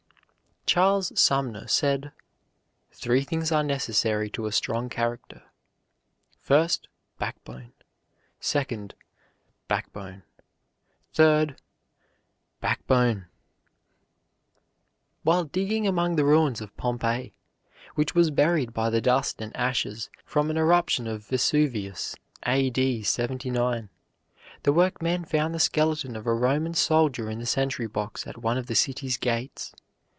Charles Sumner said "three things are necessary to a strong character: First, backbone; second, backbone; third, backbone." While digging among the ruins of Pompeii, which was buried by the dust and ashes from an eruption of Vesuvius A. D. 79, the workmen found the skeleton of a Roman soldier in the sentry box at one of the city's gates.